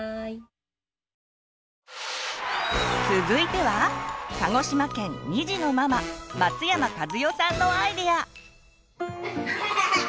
続いては鹿児島県２児のママ松山和代さんのアイデア！